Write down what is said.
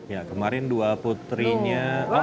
ya kemarin dua putrinya